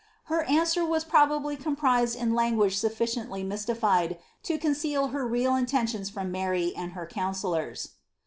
Her answer was probably comprised in language sufficiently mystified to conceal her real intentions from Mary and her counsellors.